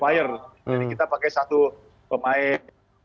jadi kita pakai satu pemain